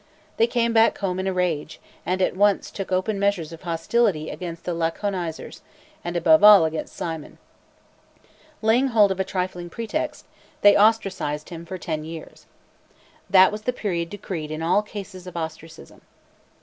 —They came back home in a rage, and at once took open measures of hostility against the Laconizers, and above all against Cimon. Laying hold of a trifling pretext, they ostracised him for ten years.!_ That was the period decreed in all cases of ostracism. !